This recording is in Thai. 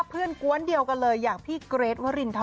เพื่อนกว้นเดียวกันเลยอยากพี่เกรทวรินทร